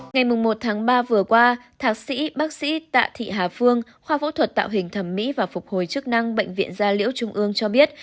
ngày một tháng ba vừa qua thạc sĩ bác sĩ tạ thị hà phương khoa phẫu thuật tạo hình thẩm mỹ và phục hồi chức năng bệnh viện gia liễu trung ương cho biết